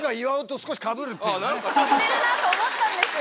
似てるなと思ったんですよ。